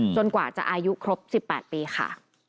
กว่าจะอายุครบ๑๘ปีค่ะ